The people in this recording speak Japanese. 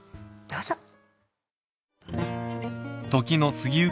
どうぞ。